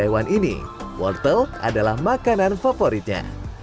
wortel adalah makanan favoritnya